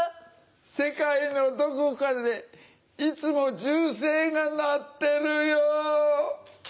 世界のどこかでいつも銃声が鳴ってるよ。